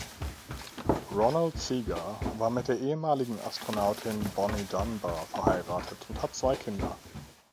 Ronald Sega war mit der ehemaligen Astronautin Bonnie Dunbar verheiratet und hat zwei Kinder.